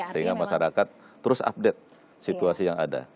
sehingga masyarakat terus update situasi yang ada